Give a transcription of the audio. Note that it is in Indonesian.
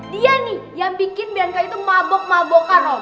dia nih yang bikin bianca itu mabok mabokan rom